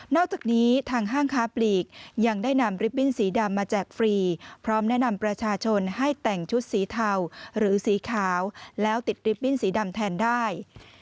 อกจากนี้ทางห้างค้าปลีกยังได้นำริบบิ้นสีดำมาแจกฟรีพร้อมแนะนำประชาชนให้แต่งชุดสีเทาหรือสีขาวแล้วติดริบบิ้นสีดำแทนได้